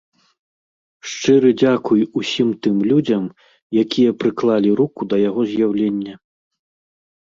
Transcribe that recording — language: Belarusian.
Шчыры дзякуй усім тым людзям, якія прыклалі руку да яго з'яўлення.